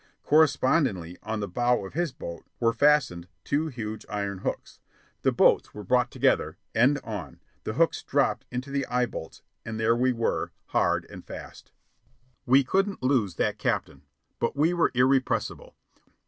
Correspondingly, on the bow of his boat, were fastened two huge iron hooks. The boats were brought together, end on, the hooks dropped into the eye bolts, and there we were, hard and fast. We couldn't lose that captain. But we were irrepressible.